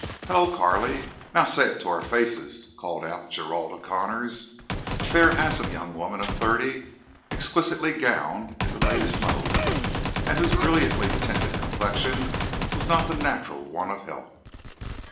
"Hello, Carley! Now say it to our faces," called out Geralda Conners, a fair, handsome young woman of thirty, exquisitely gowned in the latest mode, and whose brilliantly tinted complexion was not the natural one of health.